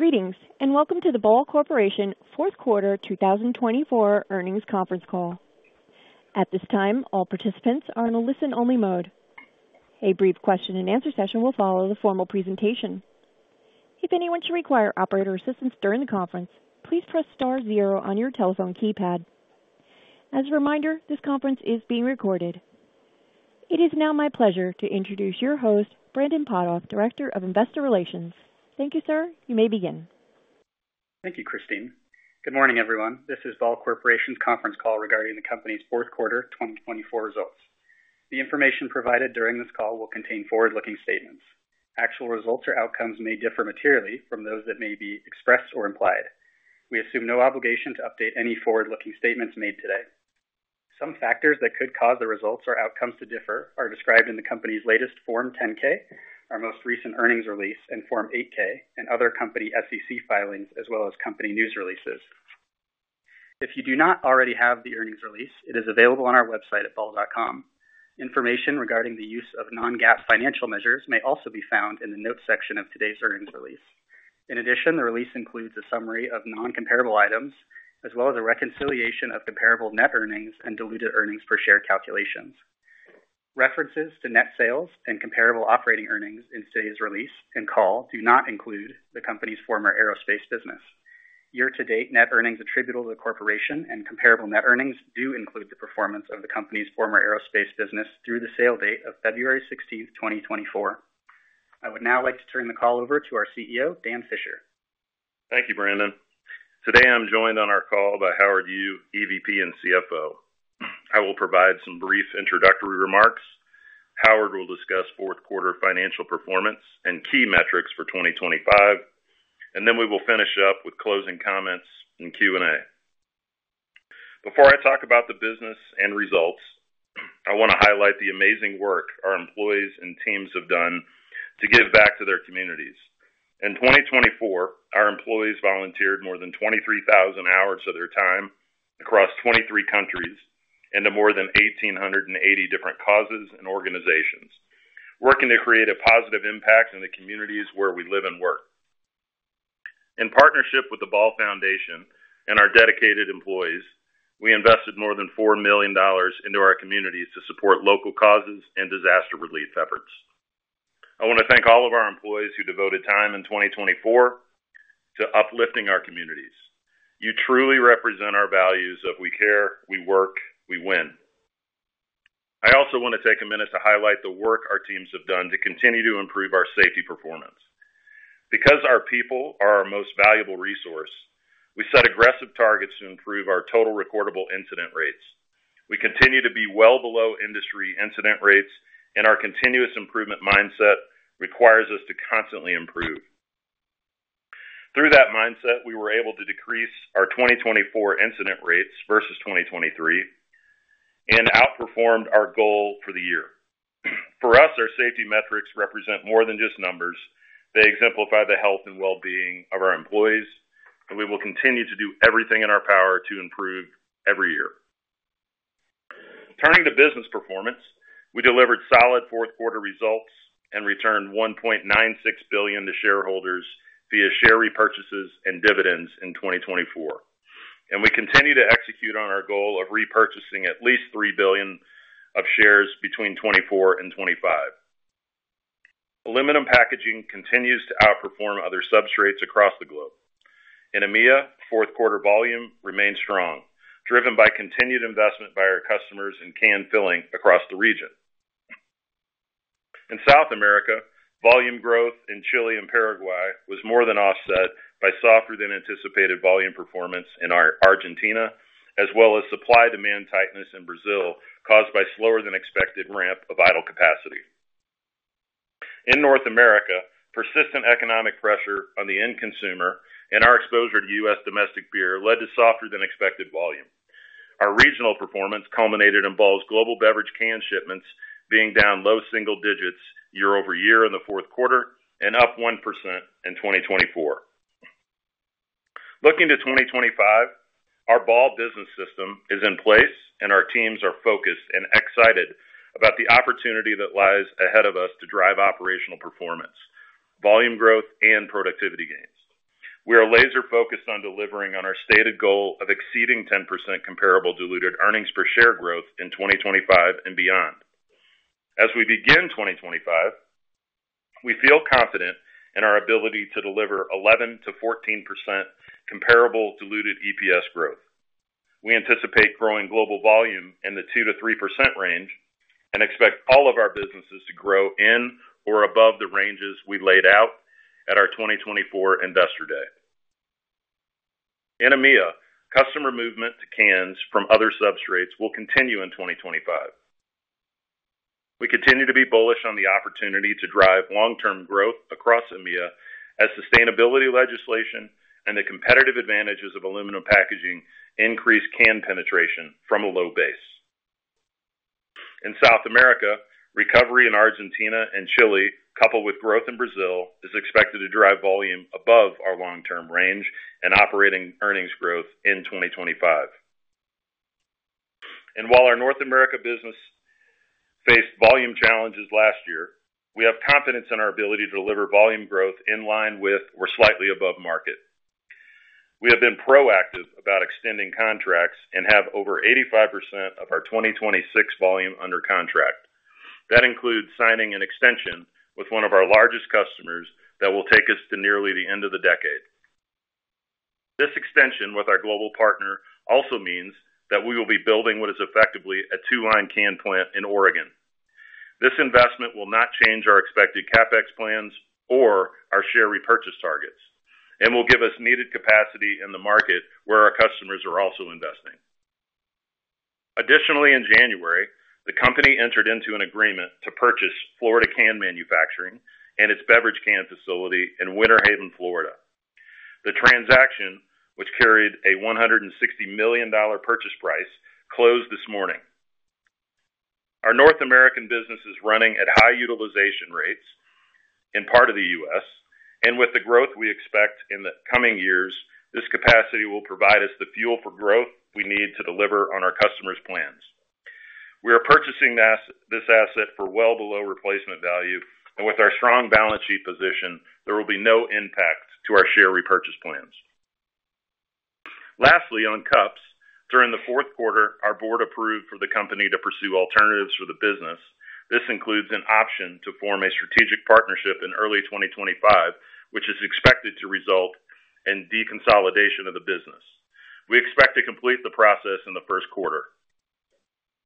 Greetings, and welcome to the Ball Corporation Fourth Quarter 2024 Earnings Conference Call. At this time, all participants are in a listen-only mode. A brief question-and-answer session will follow the formal presentation. If anyone should require operator assistance during the conference, please press star zero on your telephone keypad. As a reminder, this conference is being recorded. It is now my pleasure to introduce your host, Brandon Potthoff, Director of Investor Relations. Thank you, sir. You may begin. Thank you, Christine. Good morning, everyone. This is Ball Corporation's conference call regarding the company's Fourth Quarter 2024 results. The information provided during this call will contain forward-looking statements. Actual results or outcomes may differ materially from those that may be expressed or implied. We assume no obligation to update any forward-looking statements made today. Some factors that could cause the results or outcomes to differ are described in the company's latest Form 10-K, our most recent earnings release, and Form 8-K, and other company SEC filings, as well as company news releases. If you do not already have the earnings release, it is available on our website at ball.com. Information regarding the use of non-GAAP financial measures may also be found in the notes section of today's earnings release. In addition, the release includes a summary of non-comparable items, as well as a reconciliation of comparable net earnings and diluted earnings per share calculations. References to net sales and comparable operating earnings in today's release and call do not include the company's former aerospace business. Year-to-date net earnings attributable to the corporation and comparable net earnings do include the performance of the company's former aerospace business through the sale date of February 16th, 2024. I would now like to turn the call over to our CEO, Dan Fisher. Thank you, Brandon. Today, I'm joined on our call by Howard Yu, EVP and CFO. I will provide some brief introductory remarks. Howard will discuss fourth quarter financial performance and key metrics for 2025, and then we will finish up with closing comments and Q&A. Before I talk about the business and results, I want to highlight the amazing work our employees and teams have done to give back to their communities. In 2024, our employees volunteered more than 23,000 hours of their time across 23 countries and to more than 1,880 different causes and organizations, working to create a positive impact in the communities where we live and work. In partnership with the Ball Foundation and our dedicated employees, we invested more than $4 million into our communities to support local causes and disaster relief efforts. I want to thank all of our employees who devoted time in 2024 to uplifting our communities. You truly represent our values of "We care. We work. We win." I also want to take a minute to highlight the work our teams have done to continue to improve our safety performance. Because our people are our most valuable resource, we set aggressive targets to improve our total recordable incident rates. We continue to be well below industry incident rates, and our continuous improvement mindset requires us to constantly improve. Through that mindset, we were able to decrease our 2024 incident rates versus 2023 and outperformed our goal for the year. For us, our safety metrics represent more than just numbers. They exemplify the health and well-being of our employees, and we will continue to do everything in our power to improve every year. Turning to business performance, we delivered solid fourth quarter results and returned $1.96 billion to shareholders via share repurchases and dividends in 2024. And we continue to execute on our goal of repurchasing at least $3 billion of shares between 2024 and 2025. Aluminum packaging continues to outperform other substrates across the globe. In EMEA, fourth quarter volume remained strong, driven by continued investment by our customers in can filling across the region. In South America, volume growth in Chile and Paraguay was more than offset by softer-than-anticipated volume performance in Argentina, as well as supply-demand tightness in Brazil caused by slower-than-expected ramp of idle capacity. In North America, persistent economic pressure on the end consumer and our exposure to U.S. domestic beer led to softer-than-expected volume. Our regional performance culminated in Ball's global beverage can shipments being down low single digits year-over-year in the fourth quarter and up 1% in 2024. Looking to 2025, our Ball Business System is in place, and our teams are focused and excited about the opportunity that lies ahead of us to drive operational performance, volume growth, and productivity gains. We are laser-focused on delivering on our stated goal of exceeding 10% comparable diluted earnings per share growth in 2025 and beyond. As we begin 2025, we feel confident in our ability to deliver 11%-14% comparable diluted EPS growth. We anticipate growing global volume in the 2%-3% range and expect all of our businesses to grow in or above the ranges we laid out at our 2024 Investor Day. In EMEA, customer movement to cans from other substrates will continue in 2025. We continue to be bullish on the opportunity to drive long-term growth across EMEA as sustainability legislation and the competitive advantages of aluminum packaging increase can penetration from a low base. In South America, recovery in Argentina and Chile, coupled with growth in Brazil, is expected to drive volume above our long-term range and operating earnings growth in 2025, and while our North America business faced volume challenges last year, we have confidence in our ability to deliver volume growth in line with or slightly above market. We have been proactive about extending contracts and have over 85% of our 2026 volume under contract. That includes signing an extension with one of our largest customers that will take us to nearly the end of the decade. This extension with our global partner also means that we will be building what is effectively a two-line can plant in Oregon. This investment will not change our expected CapEx plans or our share repurchase targets and will give us needed capacity in the market where our customers are also investing. Additionally, in January, the company entered into an agreement to purchase Florida Can Manufacturing and its beverage can facility in Winter Haven, Florida. The transaction, which carried a $160 million purchase price, closed this morning. Our North American business is running at high utilization rates in part of the U.S., and with the growth we expect in the coming years, this capacity will provide us the fuel for growth we need to deliver on our customers' plans. We are purchasing this asset for well below replacement value, and with our strong balance sheet position, there will be no impact to our share repurchase plans. Lastly, on Cups, during the fourth quarter, our board approved for the company to pursue alternatives for the business. This includes an option to form a strategic partnership in early 2025, which is expected to result in deconsolidation of the business. We expect to complete the process in the first quarter.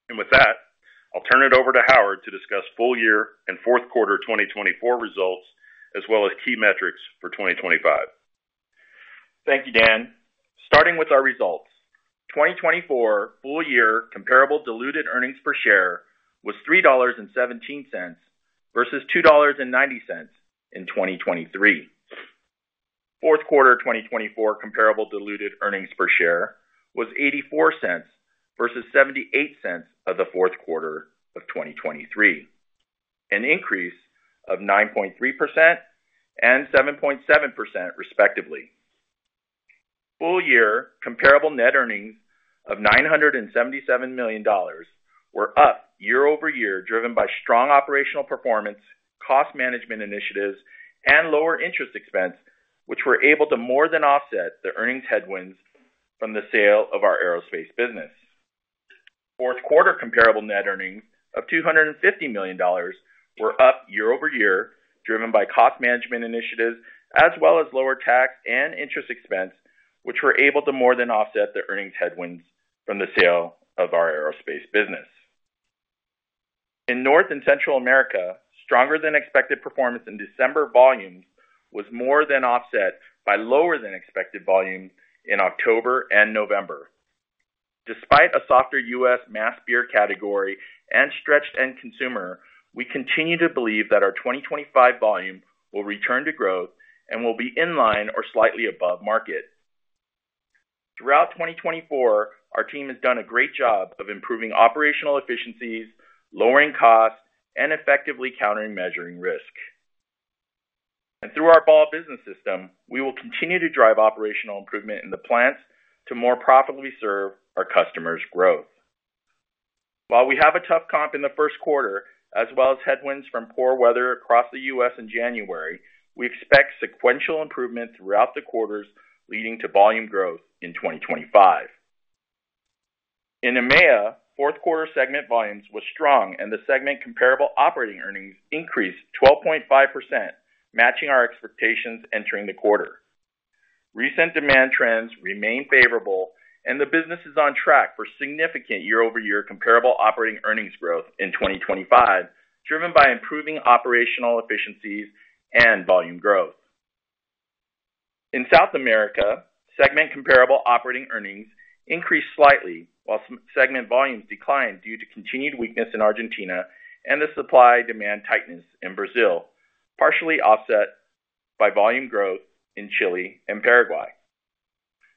And with that, I'll turn it over to Howard to discuss full year and fourth quarter 2024 results, as well as key metrics for 2025. Thank you, Dan. Starting with our results, 2024 full year comparable diluted earnings per share was $3.17 versus $2.90 in 2023. Fourth quarter 2024 comparable diluted earnings per share was $0.84 versus $0.78 of the fourth quarter of 2023, an increase of 9.3% and 7.7%, respectively. Full year comparable net earnings of $977 million were up year-over-year, driven by strong operational performance, cost management initiatives, and lower interest expense, which were able to more than offset the earnings headwinds from the sale of our aerospace business. Fourth quarter comparable net earnings of $250 million were up year-over-year, driven by cost management initiatives, as well as lower tax and interest expense, which were able to more than offset the earnings headwinds from the sale of our aerospace business. In North and Central America, stronger-than-expected performance in December volumes was more than offset by lower-than-expected volume in October and November. Despite a softer U.S. mass beer category and stretched consumer, we continue to believe that our 2025 volume will return to growth and will be in line or slightly above market. Throughout 2024, our team has done a great job of improving operational efficiencies, lowering costs, and effectively countering margin risk. And through our Ball Business System, we will continue to drive operational improvement in the plants to more profitably serve our customers' growth. While we have a tough comp in the first quarter, as well as headwinds from poor weather across the U.S. in January, we expect sequential improvement throughout the quarters, leading to volume growth in 2025. In EMEA, fourth quarter segment volumes were strong, and the segment comparable operating earnings increased 12.5%, matching our expectations entering the quarter. Recent demand trends remain favorable, and the business is on track for significant year-over-year comparable operating earnings growth in 2025, driven by improving operational efficiencies and volume growth. In South America, segment comparable operating earnings increased slightly, while segment volumes declined due to continued weakness in Argentina and the supply-demand tightness in Brazil, partially offset by volume growth in Chile and Paraguay.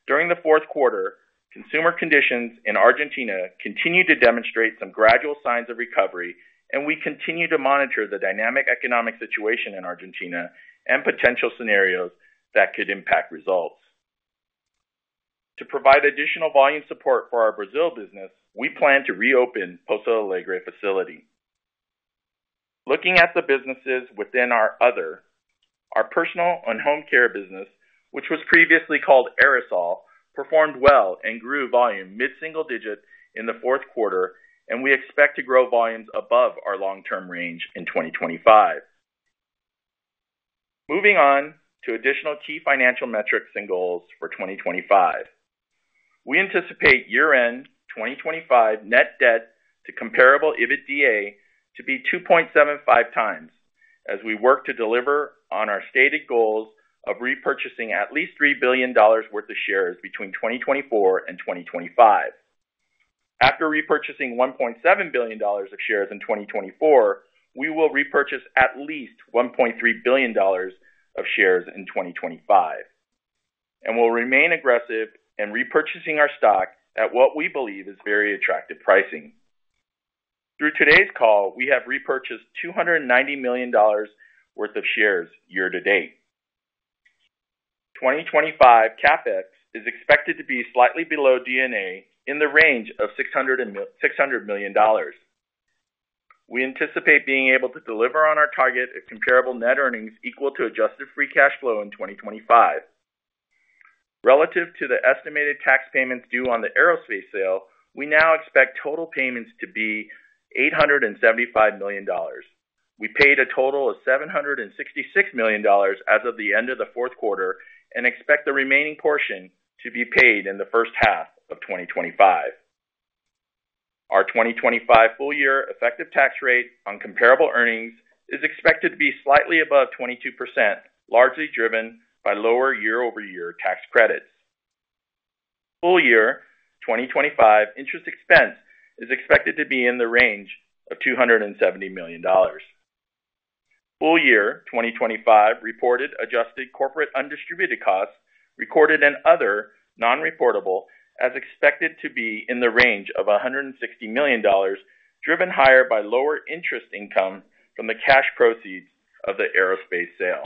During the fourth quarter, consumer conditions in Argentina continued to demonstrate some gradual signs of recovery, and we continue to monitor the dynamic economic situation in Argentina and potential scenarios that could impact results. To provide additional volume support for our Brazil business, we plan to reopen Pouso Alegre facility. Looking at the businesses within our other, our Personal and Home Care business, which was previously called Aerosol, performed well and grew volume mid-single-digit in the fourth quarter, and we expect to grow volumes above our long-term range in 2025. Moving on to additional key financial metrics and goals for 2025. We anticipate year-end 2025 net debt to comparable EBITDA to be 2.75x as we work to deliver on our stated goals of repurchasing at least $3 billion worth of shares between 2024 and 2025. After repurchasing $1.7 billion of shares in 2024, we will repurchase at least $1.3 billion of shares in 2025 and will remain aggressive in repurchasing our stock at what we believe is very attractive pricing. Through today's call, we have repurchased $290 million worth of shares year-to-date. The 2025 CapEx is expected to be slightly below D&A in the range of $600 million. We anticipate being able to deliver on our target of comparable net earnings equal to adjusted free cash flow in 2025. Relative to the estimated tax payments due on the aerospace sale, we now expect total payments to be $875 million. We paid a total of $766 million as of the end of the fourth quarter and expect the remaining portion to be paid in the first half of 2025. Our 2025 full year effective tax rate on comparable earnings is expected to be slightly above 22%, largely driven by lower year-over-year tax credits. Full year 2025 interest expense is expected to be in the range of $270 million. Full year 2025 reported adjusted corporate undistributed costs, recorded in Other Non-reportable, as expected to be in the range of $160 million, driven higher by lower interest income from the cash proceeds of the Aerospace sale.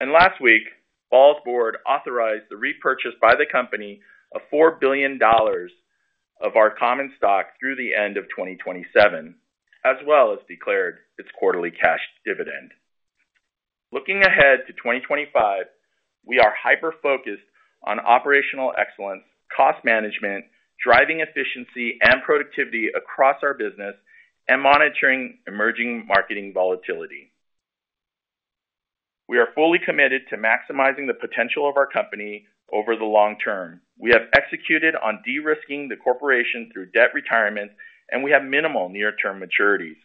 And last week, Ball's board authorized the repurchase by the company of $4 billion of our common stock through the end of 2027, as well as declared its quarterly cash dividend. Looking ahead to 2025, we are hyper-focused on operational excellence, cost management, driving efficiency and productivity across our business, and monitoring emerging market volatility. We are fully committed to maximizing the potential of our company over the long term. We have executed on de-risking the corporation through debt retirement, and we have minimal near-term maturities.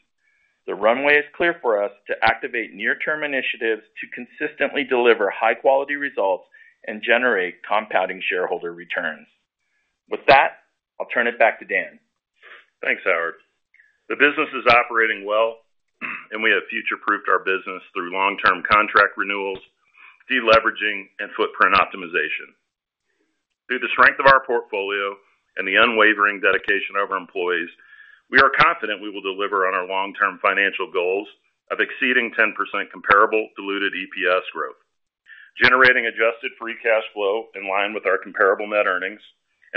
The runway is clear for us to activate near-term initiatives to consistently deliver high-quality results and generate compounding shareholder returns. With that, I'll turn it back to Dan. Thanks, Howard. The business is operating well, and we have future-proofed our business through long-term contract renewals, deleveraging, and footprint optimization. Through the strength of our portfolio and the unwavering dedication of our employees, we are confident we will deliver on our long-term financial goals of exceeding 10% comparable diluted EPS growth, generating adjusted free cash flow in line with our comparable net earnings,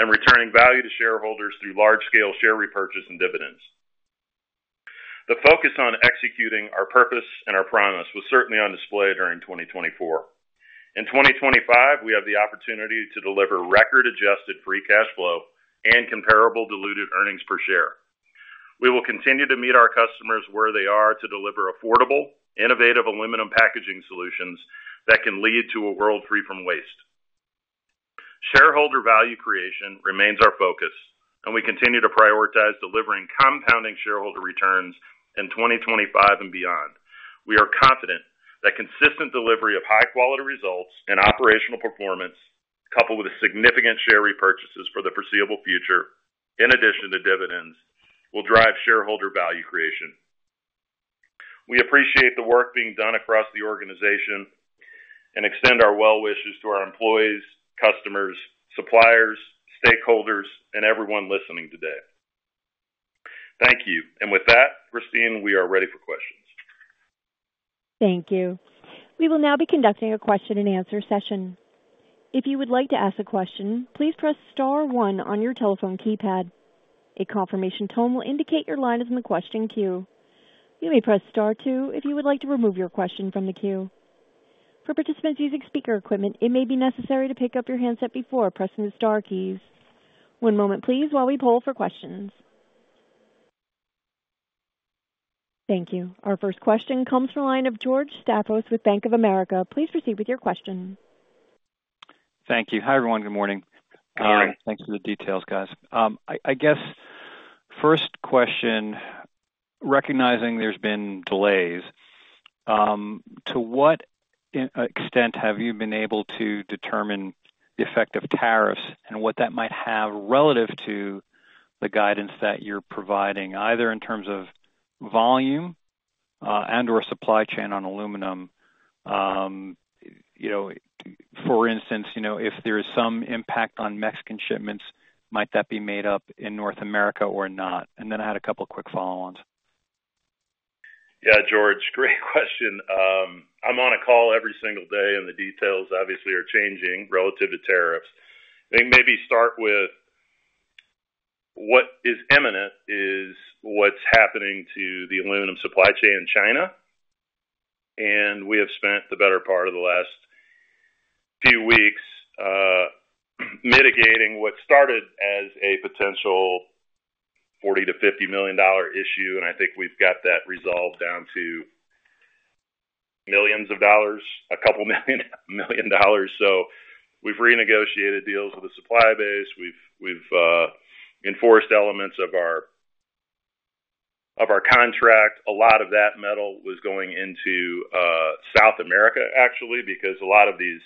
and returning value to shareholders through large-scale share repurchase and dividends. The focus on executing our purpose and our promise was certainly on display during 2024. In 2025, we have the opportunity to deliver record adjusted free cash flow and comparable diluted earnings per share. We will continue to meet our customers where they are to deliver affordable, innovative aluminum packaging solutions that can lead to a world free from waste. Shareholder value creation remains our focus, and we continue to prioritize delivering compounding shareholder returns in 2025 and beyond. We are confident that consistent delivery of high-quality results and operational performance, coupled with significant share repurchases for the foreseeable future, in addition to dividends, will drive shareholder value creation. We appreciate the work being done across the organization and extend our well-wishes to our employees, customers, suppliers, stakeholders, and everyone listening today. Thank you. And with that, Christine, we are ready for questions. Thank you. We will now be conducting a question-and-answer session. If you would like to ask a question, please press star one on your telephone keypad. A confirmation tone will indicate your line is in the question queue. You may press star two if you would like to remove your question from the queue. For participants using speaker equipment, it may be necessary to pick up your handset before pressing the star keys. One moment, please, while we poll for questions. Thank you. Our first question comes from the line of George Staphos with Bank of America. Please proceed with your question. Thank you. Hi, everyone. Good morning. Hi. Thanks for the details, guys. I guess first question, recognizing there's been delays, to what extent have you been able to determine the effect of tariffs and what that might have relative to the guidance that you're providing, either in terms of volume and/or supply chain on aluminum? For instance, if there is some impact on Mexican shipments, might that be made up in North America or not? And then I had a couple of quick follow-ons. Yeah, George, great question. I'm on a call every single day, and the details obviously are changing relative to tariffs. I think maybe start with what is imminent is what's happening to the aluminum supply chain in China. And we have spent the better part of the last few weeks mitigating what started as a potential $40 million-$50 million issue, and I think we've got that resolved down to millions of dollars, a couple million dollars. So we've renegotiated deals with the supply base. We've enforced elements of our contract. A lot of that metal was going into South America, actually, because a lot of these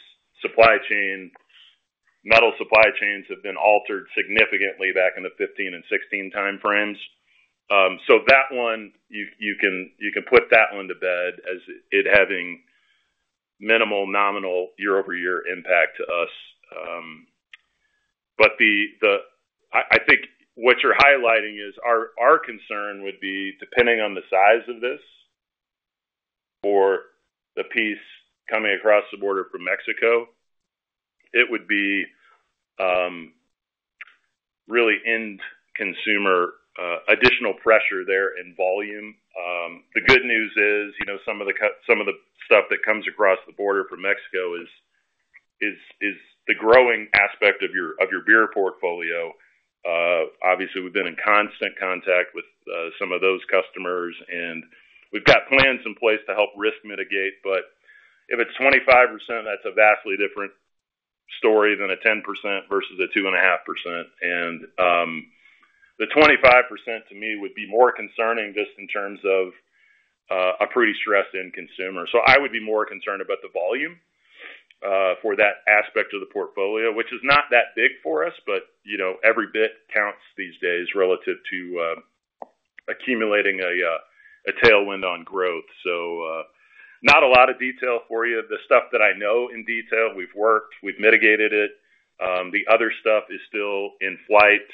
metal supply chains have been altered significantly back in the 2015 and 2016 timeframes. So that one, you can put that one to bed as it having minimal nominal year-over-year impact to us. But I think what you're highlighting is our concern would be, depending on the size of this or the piece coming across the border from Mexico, it would be really end consumer additional pressure there in volume. The good news is some of the stuff that comes across the border from Mexico is the growing aspect of your beer portfolio. Obviously, we've been in constant contact with some of those customers, and we've got plans in place to help risk-mitigate. But if it's 25%, that's a vastly different story than a 10% versus a 2.5%. And the 25%, to me, would be more concerning just in terms of a pretty stressed end consumer. So I would be more concerned about the volume for that aspect of the portfolio, which is not that big for us, but every bit counts these days relative to accumulating a tailwind on growth. So not a lot of detail for you. The stuff that I know in detail, we've worked, we've mitigated it. The other stuff is still in flight.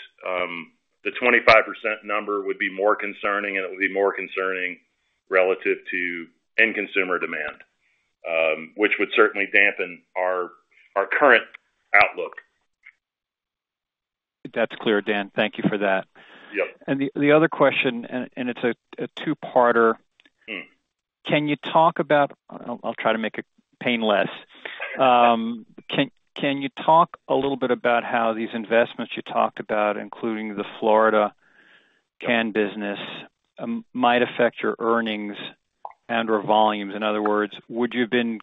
The 25% number would be more concerning, and it would be more concerning relative to end consumer demand, which would certainly dampen our current outlook. That's clear, Dan. Thank you for that. And the other question, and it's a two-parter, can you talk about? I'll try to make it painless. Can you talk a little bit about how these investments you talked about, including the Florida Can business, might affect your earnings and/or volumes? In other words, would you have been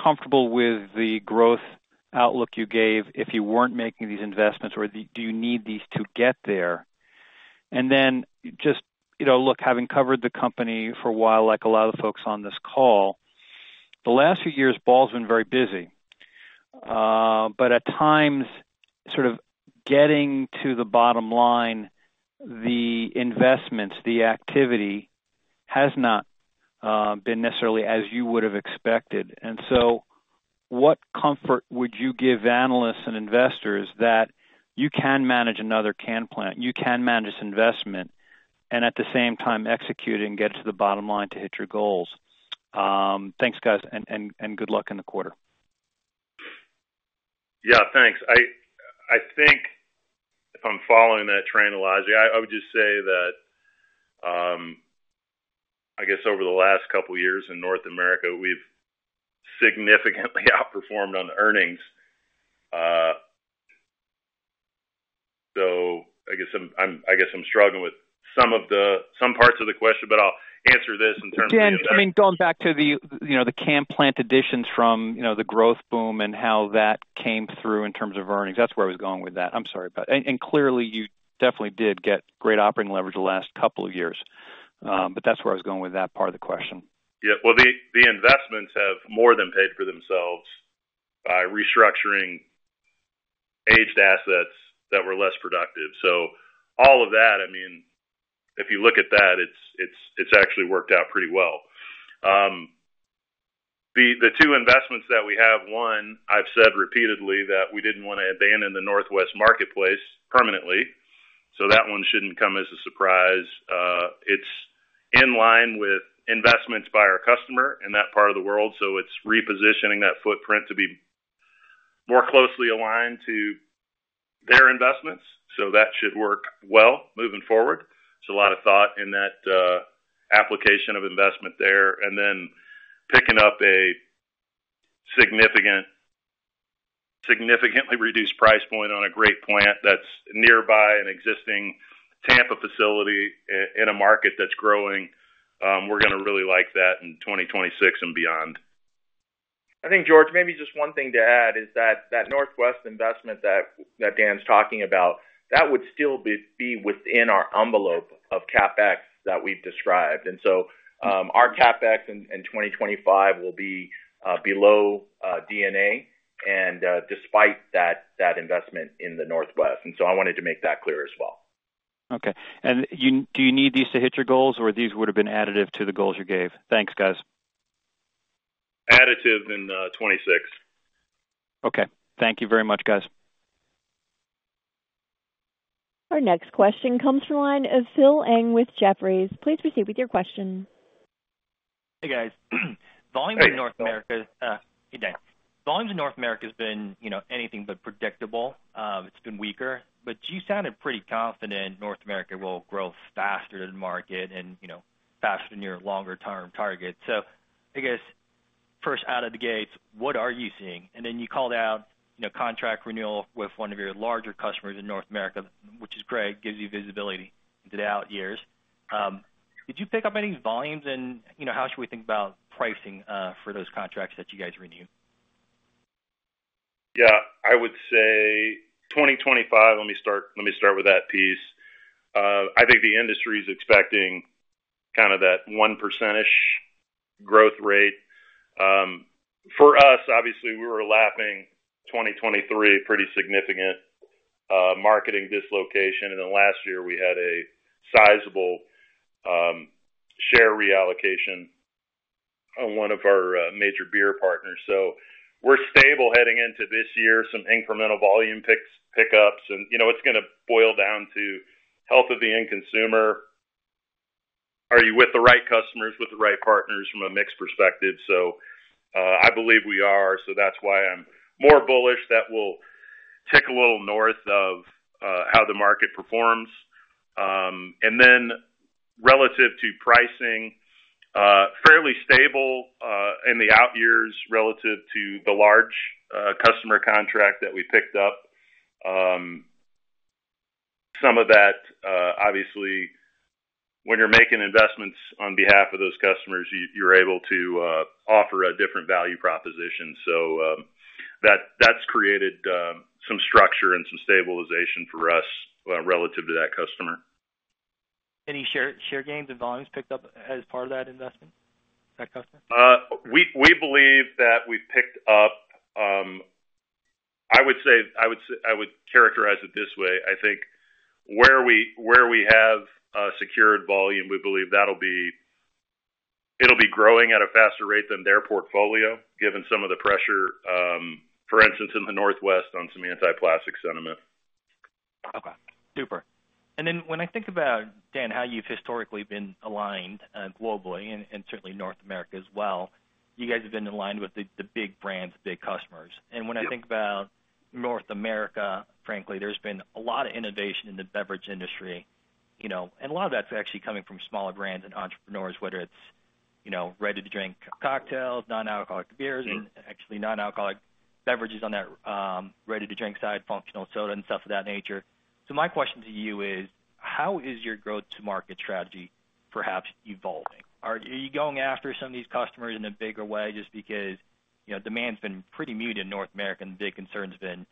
comfortable with the growth outlook you gave if you weren't making these investments, or do you need these to get there? And then just look, having covered the company for a while, like a lot of the folks on this call, the last few years, Ball's been very busy. But at times, sort of getting to the bottom line, the investments, the activity has not been necessarily as you would have expected. And so what comfort would you give analysts and investors that you can manage another can plant, you can manage this investment, and at the same time execute and get it to the bottom line to hit your goals? Thanks, guys, and good luck in the quarter. Yeah, thanks. I think if I'm following that train a lot. Yeah, I would just say that I guess over the last couple of years in North America, we've significantly outperformed on earnings. So I guess I'm struggling with some parts of the question, but I'll answer this in terms of. Dan, I mean, going back to the can plant additions from the growth boom and how that came through in terms of earnings, that's where I was going with that. I'm sorry, and clearly, you definitely did get great operating leverage the last couple of years, but that's where I was going with that part of the question. Yeah. Well, the investments have more than paid for themselves by restructuring aged assets that were less productive. So all of that, I mean, if you look at that, it's actually worked out pretty well. The two investments that we have, one, I've said repeatedly that we didn't want to abandon the Northwest marketplace permanently. So that one shouldn't come as a surprise. It's in line with investments by our customer in that part of the world. So it's repositioning that footprint to be more closely aligned to their investments. So that should work well moving forward. There's a lot of thought in that application of investment there. And then picking up a significantly reduced price point on a great plant that's nearby an existing Tampa facility in a market that's growing, we're going to really like that in 2026 and beyond. I think, George, maybe just one thing to add is that Northwest investment that Dan's talking about, that would still be within our envelope of CapEx that we've described. And so our CapEx in 2025 will be below D&A despite that investment in the Northwest. And so I wanted to make that clear as well. Okay. And do you need these to hit your goals, or these would have been additive to the goals you gave? Thanks, guys. Additive in 2026. Okay. Thank you very much, guys. Our next question comes from the line of Phil Ng with Jefferies. Please proceed with your question. Hey, guys. Volume in North America is, hey, Dan. Volume in North America has been anything but predictable. It's been weaker, but you sounded pretty confident North America will grow faster than the market and faster than your longer-term target, so I guess first out of the gates, what are you seeing, and then you called out contract renewal with one of your larger customers in North America, which is great. It gives you visibility into the out years. Did you pick up any volumes? And how should we think about pricing for those contracts that you guys renew? Yeah. I would say 2025, let me start with that piece. I think the industry is expecting kind of that 1%-ish growth rate. For us, obviously, we were lapping 2023 pretty significant marketing dislocation. Then last year, we had a sizable share reallocation on one of our major beer partners. We're stable heading into this year, some incremental volume pickups. It's going to boil down to health of the end consumer. Are you with the right customers, with the right partners from a mixed perspective? I believe we are. That's why I'm more bullish. That will tick a little north of how the market performs. Then relative to pricing, fairly stable in the out years relative to the large customer contract that we picked up. Some of that, obviously, when you're making investments on behalf of those customers, you're able to offer a different value proposition. So that's created some structure and some stabilization for us relative to that customer. Any share gains and volumes picked up as part of that investment, that customer? We believe that we've picked up, I would say I would characterize it this way. I think where we have secured volume, we believe that'll be growing at a faster rate than their portfolio, given some of the pressure, for instance, in the Northwest on some anti-plastic sentiment. Okay. Super. Then when I think about, Dan, how you've historically been aligned globally and certainly in North America as well, you guys have been aligned with the big brands, big customers, and when I think about North America, frankly, there's been a lot of innovation in the beverage industry, and a lot of that's actually coming from smaller brands and entrepreneurs, whether it's ready-to-drink cocktails, non-alcoholic beers, and actually non-alcoholic beverages on that ready-to-drink side, functional soda and stuff of that nature. So my question to you is, how is your go-to-market strategy perhaps evolving? Are you going after some of these customers in a bigger way just because demand's been pretty muted in North America and the big concern's been,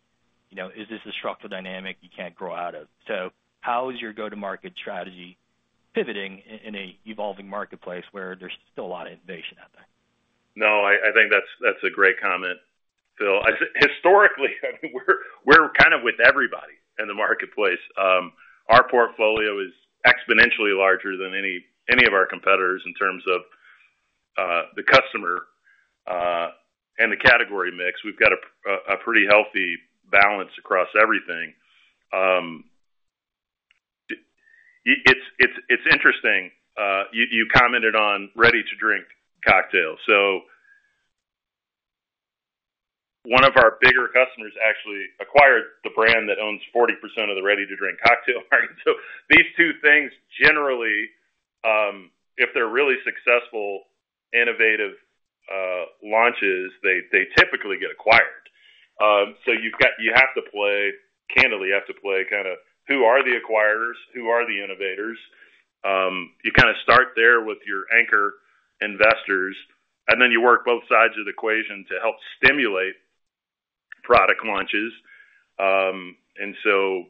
is this a structural dynamic you can't grow out of? So how is your go-to-market strategy pivoting in an evolving marketplace where there's still a lot of innovation out there? No, I think that's a great comment, Phil. Historically, we're kind of with everybody in the marketplace. Our portfolio is exponentially larger than any of our competitors in terms of the customer and the category mix. We've got a pretty healthy balance across everything. It's interesting. You commented on ready-to-drink cocktails. So one of our bigger customers actually acquired the brand that owns 40% of the ready-to-drink cocktail market. So these two things, generally, if they're really successful, innovative launches, they typically get acquired. So you have to play candidly. You have to play kind of who are the acquirers, who are the innovators. You kind of start there with your anchor investors, and then you work both sides of the equation to help stimulate product launches. And so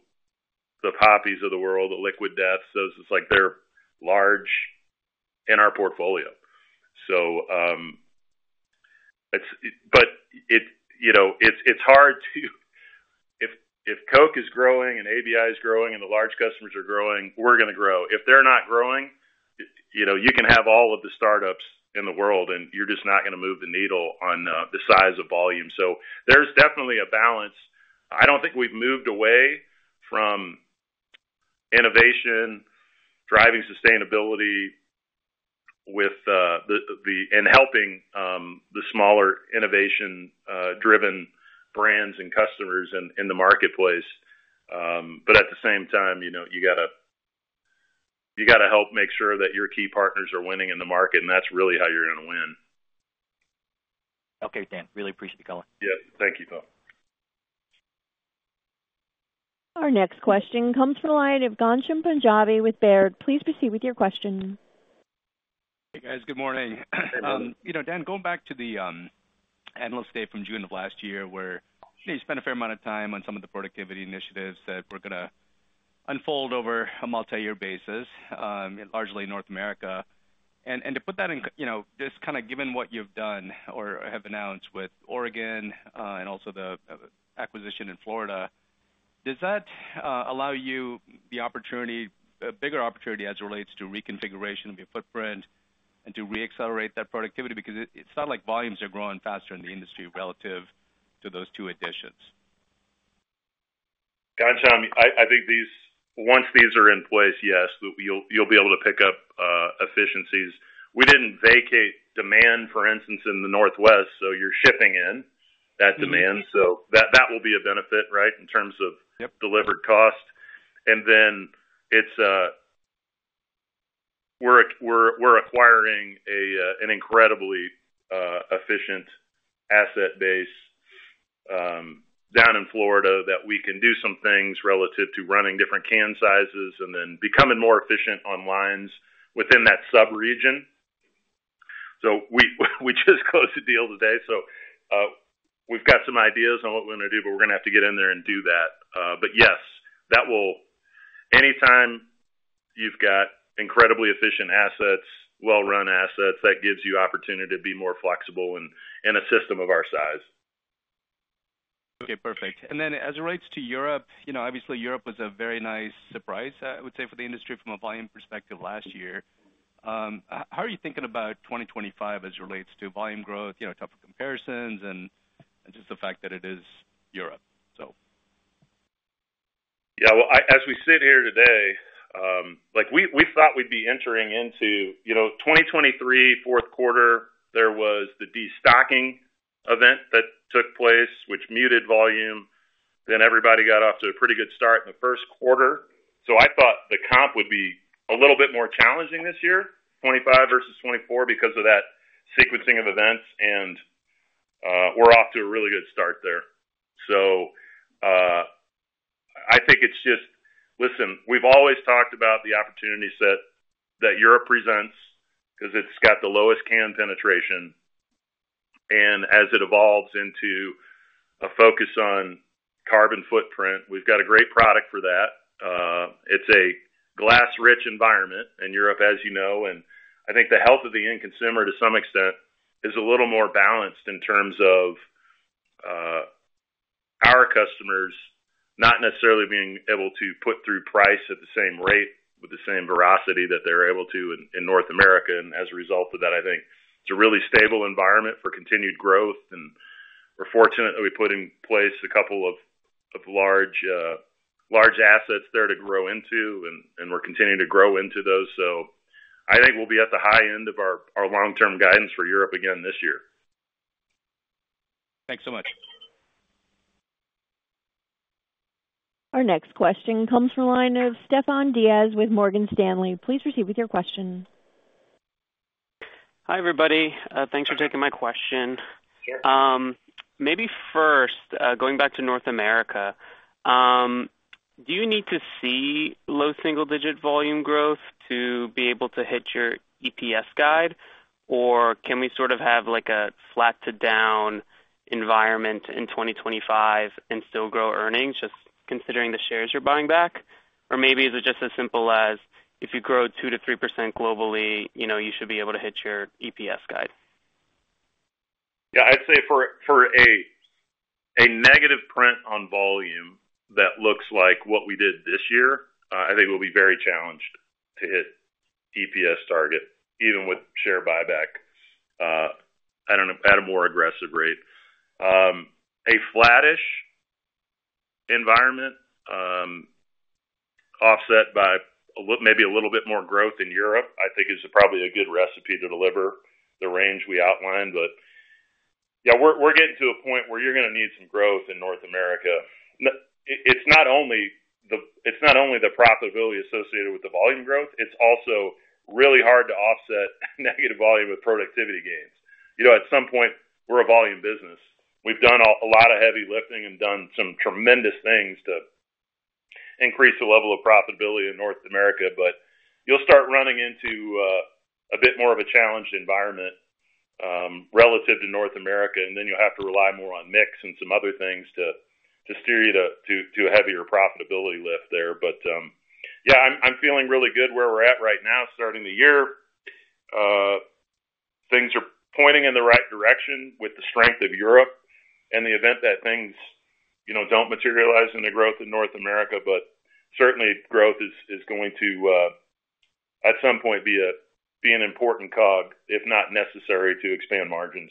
the Poppis of the world, the Liquid Deaths, those are like they're large in our portfolio. But it's hard to, if Coke is growing and ABI is growing and the large customers are growing, we're going to grow. If they're not growing, you can have all of the startups in the world, and you're just not going to move the needle on the size of volume. So there's definitely a balance. I don't think we've moved away from innovation, driving sustainability, and helping the smaller innovation-driven brands and customers in the marketplace. But at the same time, you got to help make sure that your key partners are winning in the market, and that's really how you're going to win. Okay, Dan. Really appreciate your time. Yeah. Thank you, Phil. Our next question comes from the line of Ghansham Panjabi with Baird. Please proceed with your question. Hey, guys. Good morning. Dan, going back to the analyst day from June of last year where you spent a fair amount of time on some of the productivity initiatives that we're going to unfold over a multi-year basis, largely in North America. And to put that in just kind of given what you've done or have announced with Oregon and also the acquisition in Florida, does that allow you the opportunity, a bigger opportunity as it relates to reconfiguration of your footprint and to reaccelerate that productivity? Because it's not like volumes are growing faster in the industry relative to those two additions. Ghansham, I think once these are in place, yes, you'll be able to pick up efficiencies. We didn't vacate demand, for instance, in the Northwest, so you're shipping in that demand. So that will be a benefit, right, in terms of delivered cost. And then we're acquiring an incredibly efficient asset base down in Florida that we can do some things relative to running different can sizes and then becoming more efficient on lines within that subregion. So we just closed a deal today. So we've got some ideas on what we're going to do, but we're going to have to get in there and do that. But yes, that will. Anytime you've got incredibly efficient assets, well-run assets, that gives you opportunity to be more flexible in a system of our size. Okay. Perfect, and then as it relates to Europe, obviously, Europe was a very nice surprise, I would say, for the industry from a volume perspective last year. How are you thinking about 2025 as it relates to volume growth, tougher comparisons, and just the fact that it is Europe, so? Yeah. Well, as we sit here today, we thought we'd be entering into 2023 fourth quarter. There was the destocking event that took place, which muted volume. Then everybody got off to a pretty good start in the first quarter. So I thought the comp would be a little bit more challenging this year, 2025 versus 2024, because of that sequencing of events, and we're off to a really good start there. I think it's just, listen, we've always talked about the opportunity set that Europe presents because it's got the lowest can penetration. As it evolves into a focus on carbon footprint, we've got a great product for that. It's a glass-rich environment in Europe, as you know. And I think the health of the end consumer, to some extent, is a little more balanced in terms of our customers not necessarily being able to put through price at the same rate with the same veracity that they're able to in North America. And as a result of that, I think it's a really stable environment for continued growth. And we're fortunate that we put in place a couple of large assets there to grow into, and we're continuing to grow into those. So I think we'll be at the high end of our long-term guidance for Europe again this year. Thanks so much. Our next question comes from the line of Stefan Diaz with Morgan Stanley. Please proceed with your question. Hi, everybody. Thanks for taking my question. Maybe first, going back to North America, do you need to see low single-digit volume growth to be able to hit your EPS guide? Or can we sort of have a flat-to-down environment in 2025 and still grow earnings, just considering the shares you're buying back? Or maybe is it just as simple as if you grow 2%-3% globally, you should be able to hit your EPS guide? Yeah. I'd say for a negative print on volume that looks like what we did this year, I think we'll be very challenged to hit EPS target, even with share buyback at a more aggressive rate. A flattish environment offset by maybe a little bit more growth in Europe, I think, is probably a good recipe to deliver the range we outlined. But yeah, we're getting to a point where you're going to need some growth in North America. It's not only the profitability associated with the volume growth. It's also really hard to offset negative volume with productivity gains. At some point, we're a volume business. We've done a lot of heavy lifting and done some tremendous things to increase the level of profitability in North America. But you'll start running into a bit more of a challenged environment relative to North America. And then you'll have to rely more on mix and some other things to steer you to a heavier profitability lift there. But yeah, I'm feeling really good where we're at right now starting the year. Things are pointing in the right direction with the strength of Europe in the event that things don't materialize in the growth in North America. But certainly, growth is going to, at some point, be an important COG, if not necessary, to expand margins.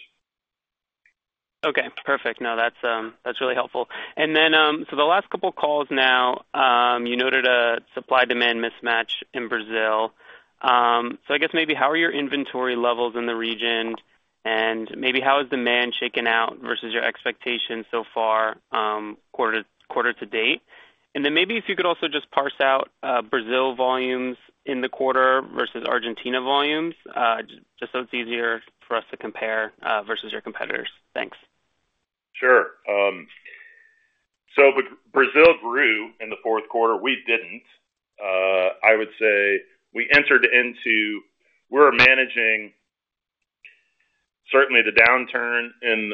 Okay. Perfect. No, that's really helpful. And then so the last couple of calls now, you noted a supply-demand mismatch in Brazil. So I guess maybe how are your inventory levels in the region? And maybe how has demand shaken out versus your expectations so far quarter to date? And then maybe if you could also just parse out Brazil volumes in the quarter versus Argentina volumes, just so it's easier for us to compare versus your competitors. Thanks. Sure. So Brazil grew in the fourth quarter. We didn't. I would say we entered into. We're managing, certainly, the downturn in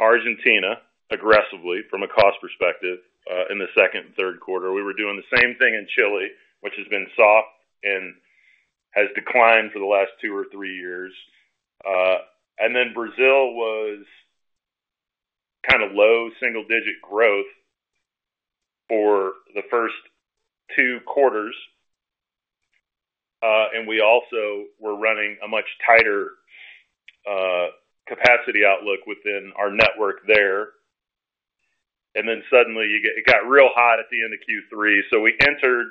Argentina aggressively from a cost perspective in the second and third quarter. We were doing the same thing in Chile, which has been soft and has declined for the last two or three years, and then Brazil was kind of low single-digit growth for the first two quarters, and we also were running a much tighter capacity outlook within our network there, and then suddenly, it got real hot at the end of Q3. So we entered.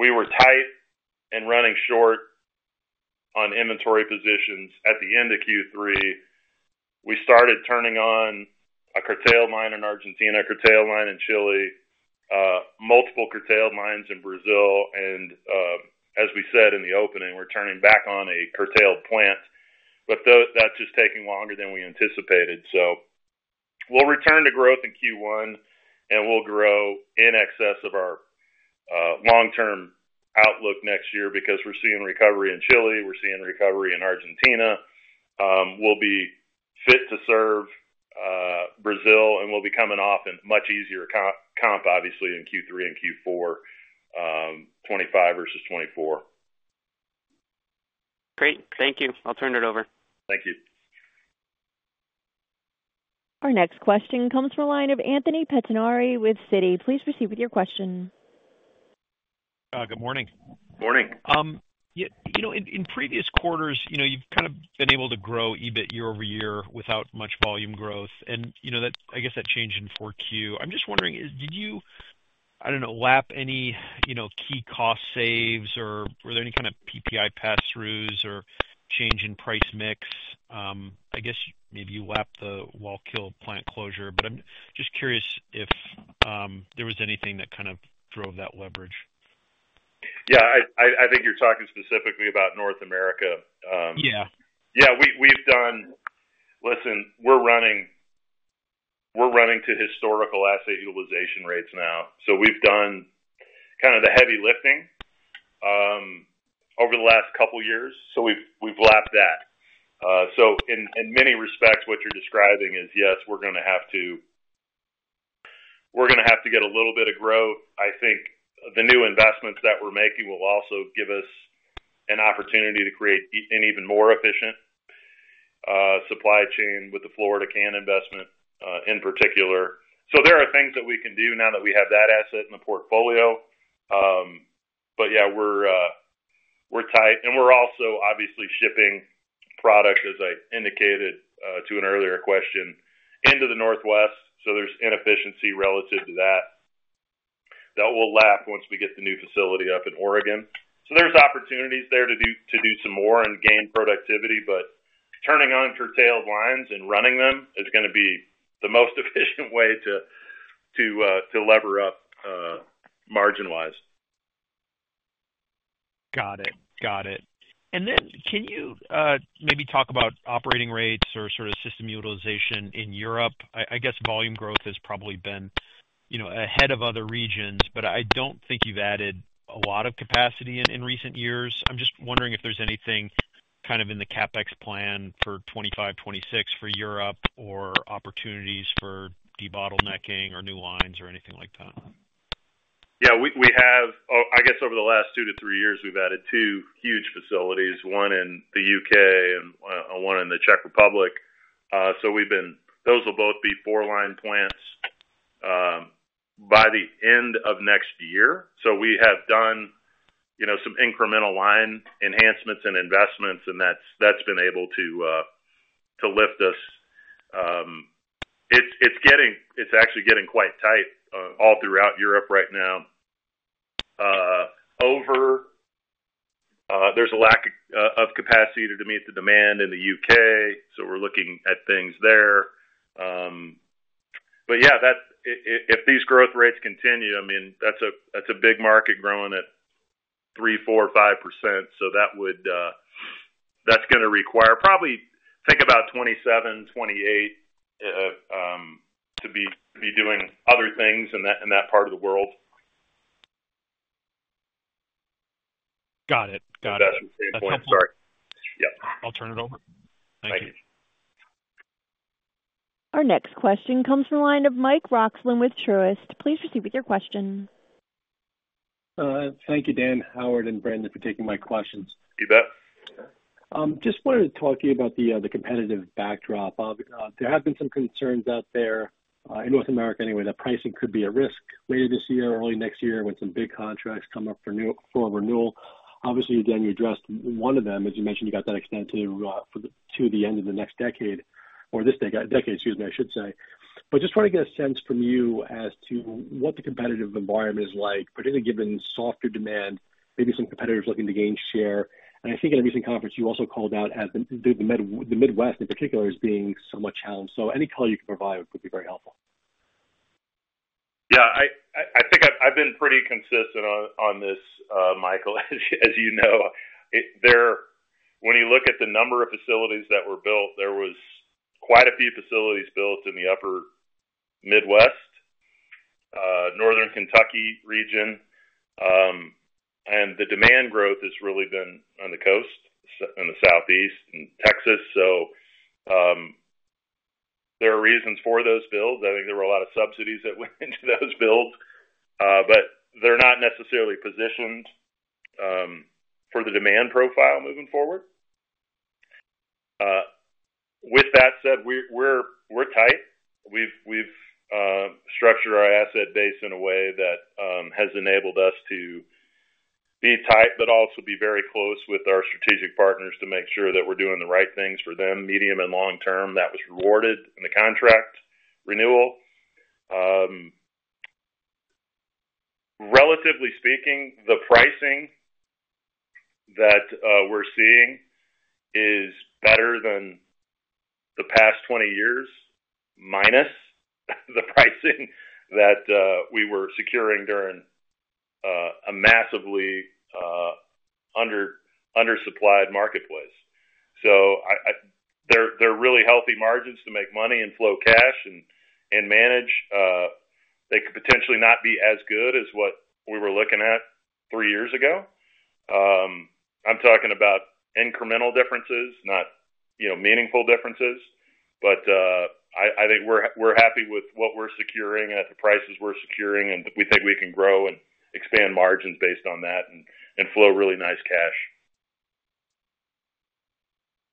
We were tight and running short on inventory positions at the end of Q3. We started turning on a curtailed line in Argentina, a curtailed line in Chile, multiple curtailed lines in Brazil. And as we said in the opening, we're turning back on a curtailed plant. But that's just taking longer than we anticipated. So we'll return to growth in Q1, and we'll grow in excess of our long-term outlook next year because we're seeing recovery in Chile. We're seeing recovery in Argentina. We'll be fit to serve Brazil, and we'll be coming off in much easier comp, obviously, in Q3 and Q4, 2025 versus 2024. Great. Thank you. I'll turn it over. Thank you. Our next question comes from the line of Anthony Pettinari with Citi. Please proceed with your question. Good morning. Morning. In previous quarters, you've kind of been able to grow EBIT year-over-year without much volume growth. And I guess that changed in Q4. I'm just wondering, did you, I don't know, lap any key cost saves, or were there any kind of PPI pass-throughs or change in price mix? I guess maybe you lapped the Wallkill plant closure, but I'm just curious if there was anything that kind of drove that leverage. Yeah. I think you're talking specifically about North America. Yeah. Yeah. Listen, we're running at historical asset utilization rates now. So we've done kind of the heavy lifting over the last couple of years. So we've lapped that. So in many respects, what you're describing is, yes, we're going to have to—we're going to have to get a little bit of growth. I think the new investments that we're making will also give us an opportunity to create an even more efficient supply chain with the Florida Can investment in particular. So there are things that we can do now that we have that asset in the portfolio. But yeah, we're tight. And we're also, obviously, shipping product, as I indicated to an earlier question, into the Northwest. So there's inefficiency relative to that that we'll lap once we get the new facility up in Oregon. So there's opportunities there to do some more and gain productivity. But turning on curtailed lines and running them is going to be the most efficient way to lever up margin-wise. Got it. Got it. And then can you maybe talk about operating rates or sort of system utilization in Europe? I guess volume growth has probably been ahead of other regions, but I don't think you've added a lot of capacity in recent years. I'm just wondering if there's anything kind of in the CapEx plan for 2025, 2026 for Europe or opportunities for debottlenecking or new lines or anything like that. Yeah. I guess over the last two to three years, we've added two huge facilities, one in the U.K. and one in the Czech Republic. So those will both be four-line plants by the end of next year. So we have done some incremental line enhancements and investments, and that's been able to lift us. It's actually getting quite tight all throughout Europe right now. There's a lack of capacity to meet the demand in the U.K. So we're looking at things there. But yeah, if these growth rates continue, I mean, that's a big market growing at 3%, 4%, 5%. So that's going to require probably think about 2027, 2028 to be doing other things in that part of the world. Got it. Got it. That's the same point. I'm sorry. Yeah. I'll turn it over. Thanks. Our next question comes from the line of Mike Roxland with Truist. Please proceed with your question. Thank you, Dan, Howard, and Brandon for taking my questions. You bet. Just wanted to talk to you about the competitive backdrop. There have been some concerns out there in North America anyway that pricing could be a risk later this year, early next year when some big contracts come up for renewal. Obviously, again, you addressed one of them, as you mentioned, you got that extended to the end of the next decade or this decade, excuse me, I should say. But just trying to get a sense from you as to what the competitive environment is like, particularly given softer demand, maybe some competitors looking to gain share. And I think in a recent conference, you also called out the Midwest in particular as being somewhat challenged. So any color you can provide would be very helpful. Yeah. I think I've been pretty consistent on this, Michael, as you know. When you look at the number of facilities that were built, there was quite a few facilities built in the upper Midwest, Northern Kentucky region, and the demand growth has really been on the coast, in the Southeast, in Texas, so there are reasons for those builds. I think there were a lot of subsidies that went into those builds, but they're not necessarily positioned for the demand profile moving forward. With that said, we're tight. We've structured our asset base in a way that has enabled us to be tight but also be very close with our strategic partners to make sure that we're doing the right things for them, medium and long term. That was rewarded in the contract renewal. Relatively speaking, the pricing that we're seeing is better than the past 20 years, minus the pricing that we were securing during a massively undersupplied marketplace. So they're really healthy margins to make money and flow cash and manage. They could potentially not be as good as what we were looking at three years ago. I'm talking about incremental differences, not meaningful differences. But I think we're happy with what we're securing at the prices we're securing, and we think we can grow and expand margins based on that and flow really nice cash.